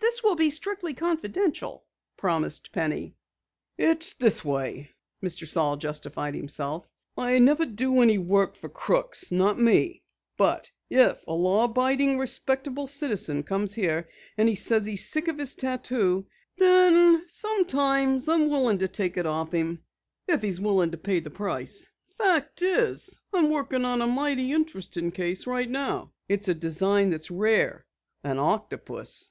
"This will be strictly confidential," promised Penny. "It's this way," Mr. Saal justified himself. "I never do any work for crooks not me. But if a law abiding, respectable citizen comes here and says he's sick of his tattoo, then sometimes I take it off for him if he's willing to pay the price. Fact is, I'm workin' on a mighty interesting case right now. It's a design that's rare an octopus."